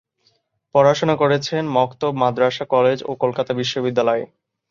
পড়াশোনা করেছেন মক্তব, মাদ্রাসা, কলেজ ও কলকাতা বিশ্ববিদ্যালয়ে।